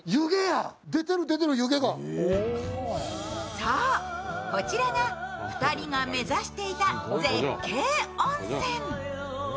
そう、こちらが２人が目指していた絶景温泉。